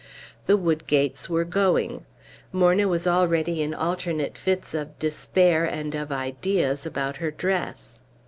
The Woodgates were going. Morna was already in alternate fits of despair and of ideas about her dress.